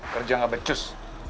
kerja nggak becus